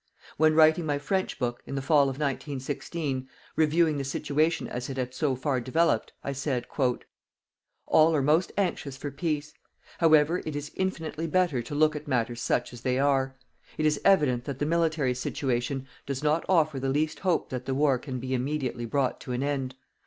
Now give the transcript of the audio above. When writing my French book, in the fall of 1916, reviewing the situation as it had so far developed, I said: "All are most anxious for peace. However it is infinitely better to look at matters such as they are. It is evident that the military situation does not offer the least hope that the war can be immediately brought to an end.